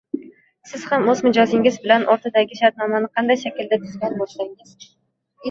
Siz ham o‘z mijozingiz bilan o‘rtadagi shartnomani qanday shaklda tuzgan bo‘lsangiz